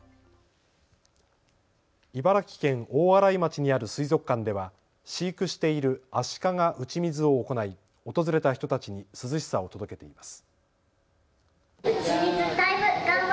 茨城県大洗町にある水族館では飼育しているアシカが打ち水を行い、訪れた人たちに涼しさを届けています。